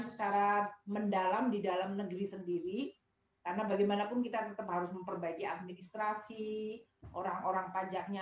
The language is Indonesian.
secara mendalam di dalam negeri sendiri karena bagaimanapun kita tetap harus memperbaiki administrasi orang orang pajaknya